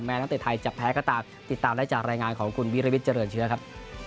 นักเตะไทยจะแพ้ก็ตามติดตามได้จากรายงานของคุณวิรวิทย์เจริญเชื้อครับ